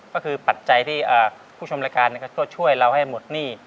ก็คือปัจจัยที่ผู้ชมรายการช่วยเราให้หมดหนี้